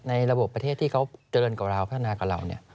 ระบบประเทศที่เขาเจริญกับเราพัฒนากับเรา